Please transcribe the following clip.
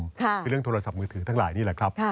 คือเรื่องโทรศัพท์มือถือทั้งหลายนี่แหละครับ